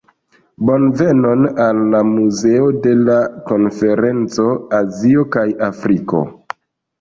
Bonvenon al la muzeo de la konferenco, Azio kaj Afriko